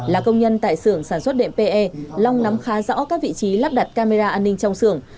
là công nhân tại xưởng sản xuất đệm pe long nắm khá rõ các vị trí lắp đặt camera an ninh trong xưởng